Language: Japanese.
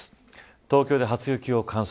東京で初雪を観測。